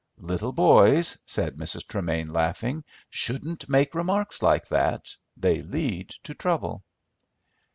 "Little boys," said Mrs. Tremain, laughing, "shouldn't make remarks like that. They lead to trouble."